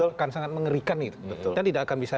akan sangat mengerikan kita tidak akan bisa